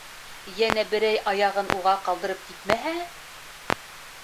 Йәнә берәй аяғын уға ҡалдырып китмәһә...